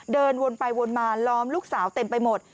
เดินวนไปวนมาล้อมลูกสาวเต็มไปหมด